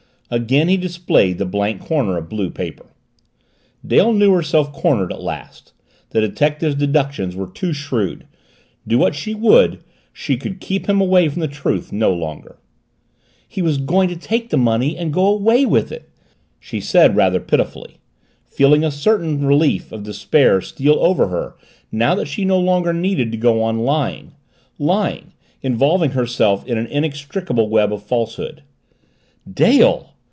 Again he displayed the blank corner of blue paper. Dale knew herself cornered at last. The detective's deductions were too shrewd; do what she would, she could keep him away from the truth no longer. "He was going to take the money and go away with it!" she said rather pitifully, feeling a certain relief of despair steal over her, now that she no longer needed to go on lying lying involving herself in an inextricable web of falsehood. "Dale!"